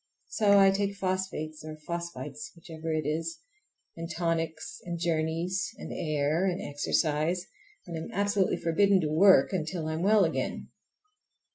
So I take phosphates or phosphites—whichever it is, and tonics, and journeys, and air, and exercise, and am absolutely forbidden to "work" until I am well again.